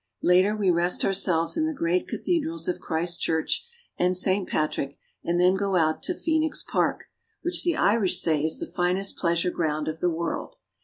Later we rest ourselves in the great cathedrals of Christ Church and Saint Patrick, and then go out to Phoenix Park, which the Irish say is the finest pleasure ground of the world.